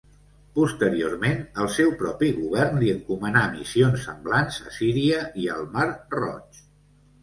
Posteriorment, el seu propi govern li encomanà missions semblants a Síria i al Mar Roig.